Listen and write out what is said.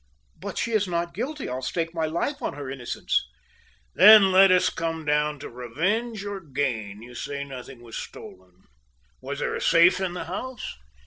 "But she is not guilty I'll stake my life on her innocence." "Then let us come down to revenge or gain. You say nothing was stolen. Was there a safe in the house?"